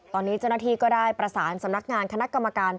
ตอนนี้เจ้าหน้าที่ก็ได้ประสานสำนักงานคณะกรรมการ